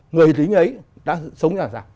người lính ấy đã sống như thế nào